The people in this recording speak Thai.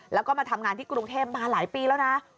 แล้วก็มาทำงานที่กรุงเทพมาหลายปีแล้วนะ